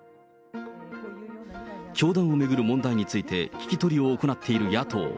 教団を巡る問題について聞き取りを行っている野党。